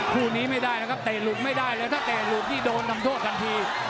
คู่นี้ไม่ได้นะครับเตะหลุดไม่ได้เลยถ้าเตะหลุดนี่โดนทำโทษทันที